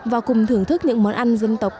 và cùng thưởng thức những món ăn dân tộc